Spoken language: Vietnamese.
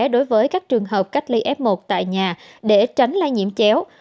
đối với các trường hợp cách ly f một tại nhà để tránh lây nhiễm chéo